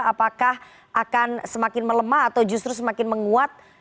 apakah akan semakin melemah atau justru semakin menguat